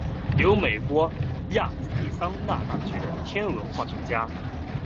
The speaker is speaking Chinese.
由美国亚利桑那大学的天文化学家。